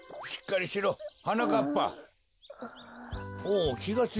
おきがついたか。